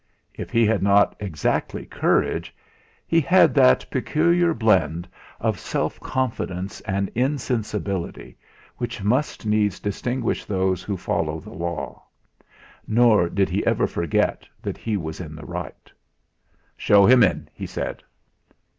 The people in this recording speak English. If he had not exactly courage, he had that peculiar blend of self confidence and insensibility which must needs distinguish those who follow the law; nor did he ever forget that he was in the right. "Show him in!" he said.